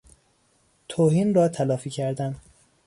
توهین را تلافی کردن